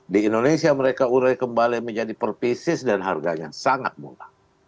di indonesia mereka urai kembali menjadi perpisis dan harganya sangat murah